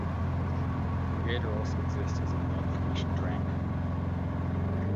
Brigadier also exists as a non-commissioned rank.